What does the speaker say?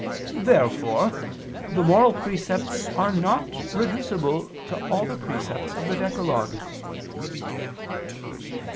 Therefore the moral precepts are not reducible to all the precepts of the decalogue.